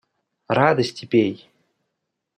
Радости пей!